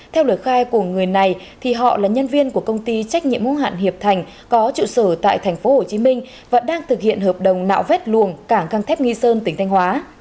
theo lời khai của người này họ là nhân viên của công ty trách nhiệm mô hạn hiệp thành có trụ sở tại tp hcm và đang thực hiện hợp đồng nạo vét luồng cảng căng thép nghi sơn tỉnh thanh hóa